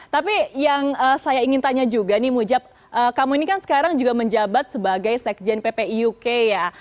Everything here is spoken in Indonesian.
tapi yang saya ingin tanya juga nih mujab kamu ini kan sekarang juga menjabat sebagai sekjen ppi uk ya